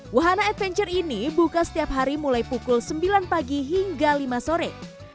wahana adventure ini buka setiap hari mulai pukul sembilan pagi hingga lima sore